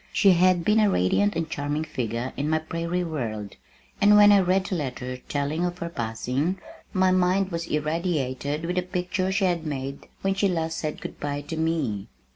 She had been a radiant and charming figure in my prairie world, and when I read the letter telling of her passing, my mind was irradiated with the picture she had made when last she said good bye to me.